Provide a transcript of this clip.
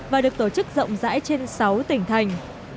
và được tổ chức rộng rãi trên sáu tỉnh thành